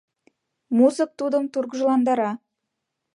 Музык тудым тургыжландара!